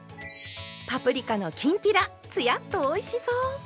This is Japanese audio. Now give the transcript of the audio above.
パプリカのきんぴらつやっとおいしそう！